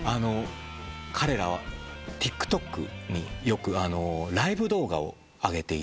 彼らはＴｉｋＴｏｋによくライブ動画を上げていて。